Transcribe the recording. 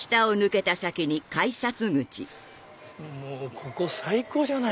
ここ最高じゃない！